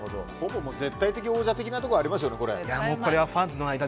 絶対的王者なところがありますよね。